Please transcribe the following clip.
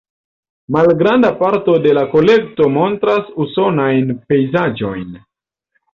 Malgranda parto de la kolekto montras usonajn pejzaĝojn.